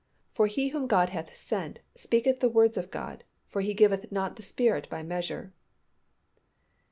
"For He whom God hath sent speaketh the words of God: for He giveth not the Spirit by measure."